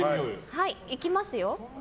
いきますよ。